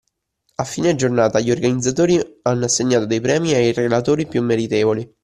A fine giornata gli organizzatori hanno assegnato dei premi ai relatori più meritevoli.